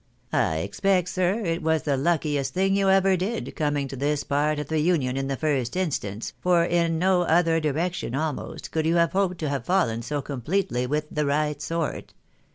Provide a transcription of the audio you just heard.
I expect, sir, it was the luckiest thing you ever did, coming to this part of the Union in the first instance, for in no other direction, almost, could you have hoped to have fallen so completely with the right sort.